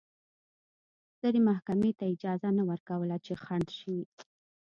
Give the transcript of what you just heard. سترې محکمې ته اجازه نه ورکوله چې خنډ شي.